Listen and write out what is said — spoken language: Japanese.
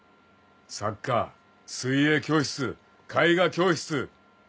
サッカー水泳教室絵画教室英会話。